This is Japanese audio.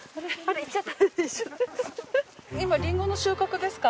今りんごの収穫ですか？